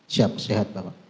siap sehat bapak